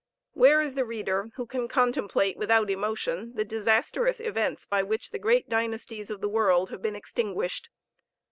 Where is the reader who can contemplate without emotion the disastrous events by which the great dynasties of the world have been extinguished?